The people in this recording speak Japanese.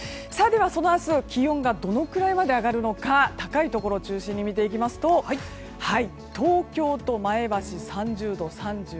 明日、気温がどのくらいまで上がるのか高いところを中心に見ていくと東京と前橋３０度、３２度。